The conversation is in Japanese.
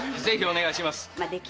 ぜひお願いします。